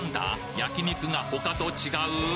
焼き肉が他と違う？